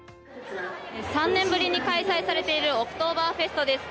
３年ぶりに開催されているオクトーバーフェストです。